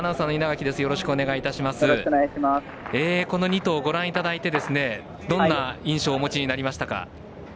この２頭ご覧いただいてどんな印象をお持ちになりましたか？